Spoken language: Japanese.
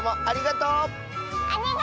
ありがとう！